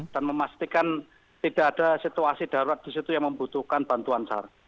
dan memastikan tidak ada situasi darurat di situ yang membutuhkan bantuan sar